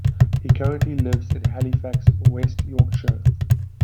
He currently lives in Halifax, West Yorkshire.